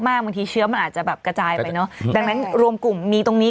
บางทีเชื้อมันอาจจะแบบกระจายไปเนอะดังนั้นรวมกลุ่มมีตรงนี้